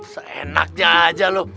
seenaknya aja lu